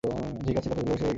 ঠিক আছে কতগুলো সে এই গ্রামের।